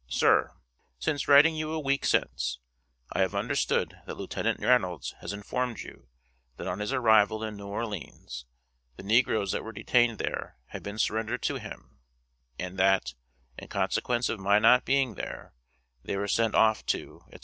SIR: Since writing you a week since, I have understood that Lieutenant Reynolds has informed you that on his arrival in New Orleans the negroes that were detained there had been surrendered to him, and that, in consequence of my not being there, they were sent off to, etc.